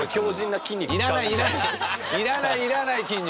いらないいらない筋肉！